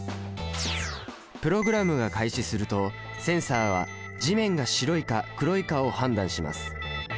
プログラムが開始するとセンサは地面が白いか黒いかを判断します。